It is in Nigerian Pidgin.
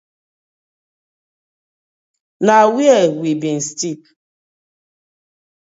Na where we been stip?